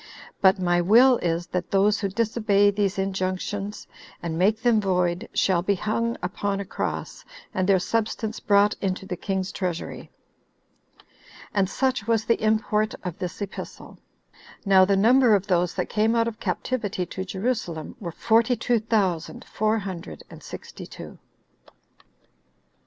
But my will is, that those who disobey these injunctions, and make them void, shall be hung upon a cross, and their substance brought into the king's treasury." And such was the import of this epistle. Now the number of those that came out of captivity to Jerusalem, were forty two thousand four hundred and sixty two.